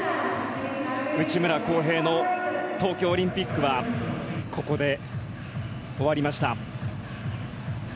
内村航平の東京オリンピックはここで終わりました。